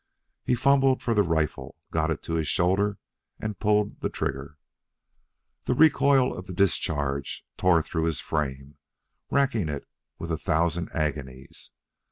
He fumbled for the rifle, got it to his shoulder, and pulled the trigger. The recoil of the discharge tore through his frame, racking it with a thousand agonies.